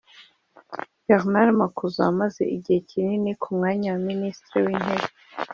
Bernard Makuza wamaze igihe kinini ku mwanya wa Minisitiri w’Intebe